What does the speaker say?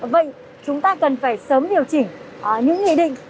vậy chúng ta cần phải sớm điều chỉnh những nghị định